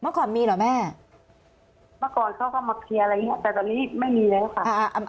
เมื่อก่อนมีเหรอแม่เมื่อก่อนเขาก็มาเคลียร์อะไรอย่างเงี้ยแต่ตอนนี้ไม่มีแล้วค่ะ